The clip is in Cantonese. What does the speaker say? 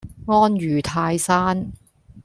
安如泰山